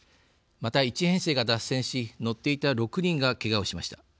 また、１編成が脱線し乗っていた６人がけがをしました。